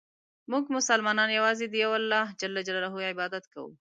مونږ مسلمانان یوازې د یو الله ج عبادت کوو.